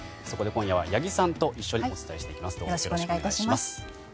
そこで今夜は八木さんとお伝えしていきます。